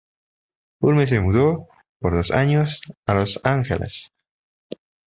Hulme se mudó por dos años a Los Ángeles.